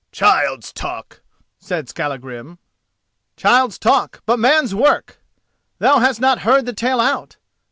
"Child's talk!" said Skallagrim. "Child's talk, but man's work! Thou hast not heard the tale out.